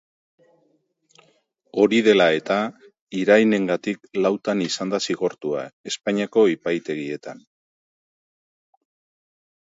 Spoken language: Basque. Hori dela eta, irainengatik lautan izan da zigortua Espainiako epaitegietan.